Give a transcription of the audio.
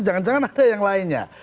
jangan jangan ada yang lainnya